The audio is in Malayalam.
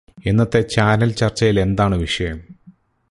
ഇന്നത്തെ ചാനൽ ചർച്ചയിൽ എന്താണ് വിഷയം